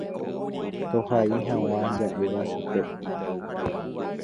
tohai hag̃ua ja'éva chupe.